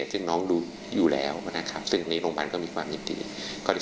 ซึ่งน้องดูอยู่แล้วซึ่งโรงพันธ์ก็มีความยินดี